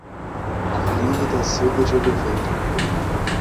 Arlindo da Silva de Oliveira